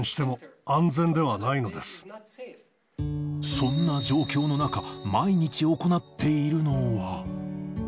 そんな状況の中、毎日行っているのは。